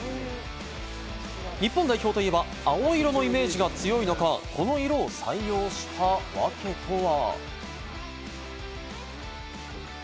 日本代表といえば青色のイメージが強い中、この色を採用した訳とは？